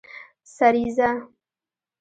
سریزه